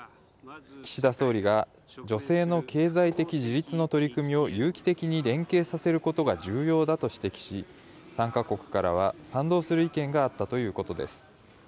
岸田総理が女性の経済的自立の取り組みを有機的に連携させることが重要だと指摘し、参加国からは賛同する意見があったということです。